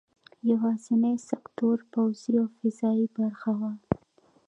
یوازینی سکتور پوځي او فضايي برخه وه.